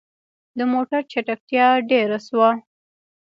د موټر چټکتيا ډيره شوه.